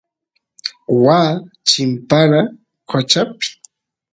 waa chimpara qochapi